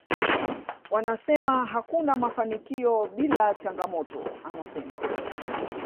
Wanasema hakuna mafanikio bila changamoto anasema